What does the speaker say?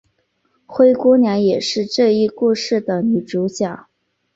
灰姑娘也是这一故事的女主角。